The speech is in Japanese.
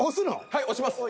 ［はい押します］